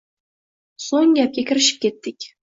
So`ng gapga kirishib ketdik